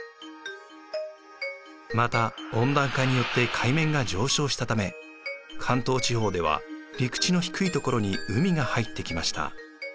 また温暖化によって海面が上昇したため関東地方では陸地の低い所に海が入ってきました。